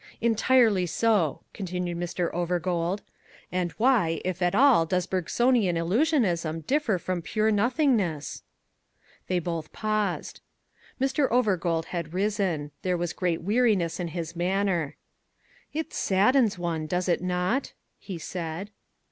"Entirely so," continued Mr. Overgold. "And why, if at all, does Bergsonian illusionism differ from pure nothingness?" They both paused. Mr. Overgold had risen. There was great weariness in his manner. "It saddens one, does it not?" he said.